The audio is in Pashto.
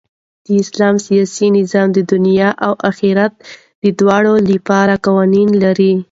د اسلام سیاسي نظام د دؤنيا او آخرت دواړو له پاره قوانين لري.